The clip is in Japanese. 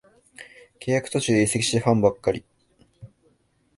契約途中で移籍してファンはがっかり